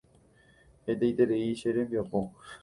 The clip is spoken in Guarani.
Hetaiterei che rembiapo.